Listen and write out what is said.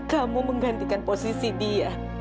kamu menggantikan posisi dia